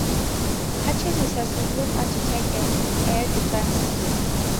Purchases have included anti-tank and air defence systems.